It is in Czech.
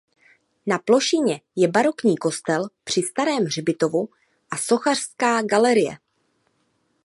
Na plošině je barokní kostel při starém hřbitovu a sochařská galerie.